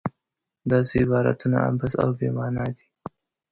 داسې عبارتونه عبث او بې معنا دي.